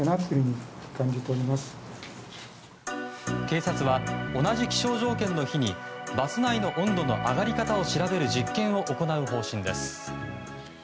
警察は同じ気象条件の日にバス内の温度の上がり方を調べる実験を行う方針です。